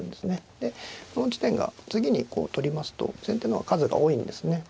この地点が次にこう取りますと先手の方が数が多いんですね。